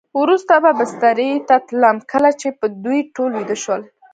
وروسته به بسترې ته تلم، کله چې به دوی ټول ویده شول.